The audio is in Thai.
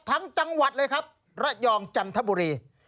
จังหวัดเลยครับระยองจันทบุรี